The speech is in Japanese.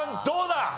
どうだ？